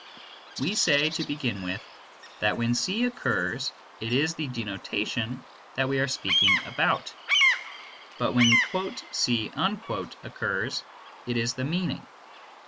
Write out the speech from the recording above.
We say, to begin with, that when C occurs it is the denotation that we are speaking about; but when "C" occurs, it is the meaning.